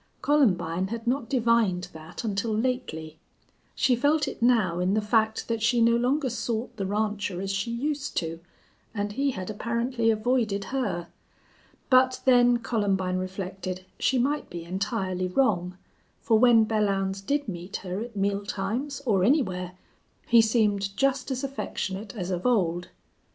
Columbine had not divined that until lately. She felt it now in the fact that she no longer sought the rancher as she used to, and he had apparently avoided her. But then, Columbine reflected, she might be entirely wrong, for when Belllounds did meet her at meal times, or anywhere, he seemed just as affectionate as of old.